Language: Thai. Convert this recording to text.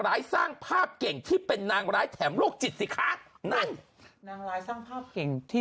ร้ายสร้างภาพเก่งที่เป็นนางร้ายแถมโรคจิตสิคะนั่นนางร้ายสร้างภาพเก่งที่